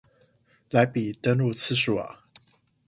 來比登入次數啊